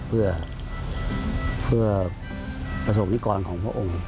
เพื่อประสงค์นิกรของพระองค์